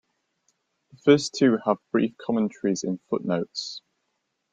The first two have brief commentaries in footnotes.